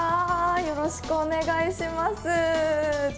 よろしくお願いします。